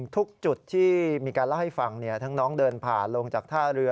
ทุกจุดที่มีการเล่าให้ฟังทั้งน้องเดินผ่านลงจากท่าเรือ